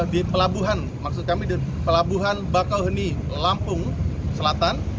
di pelabuhan maksud kami di pelabuhan bakauheni lampung selatan